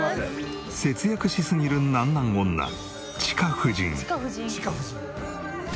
節約しすぎるなんなん女チカ婦人。